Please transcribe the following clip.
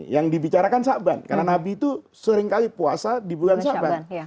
yang dibicarakan syaban karena nabi itu sering kali puasa di bulan syaban